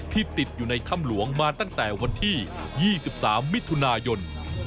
ติดอยู่ในถ้ำหลวงมาตั้งแต่วันที่๒๓มิถุนายน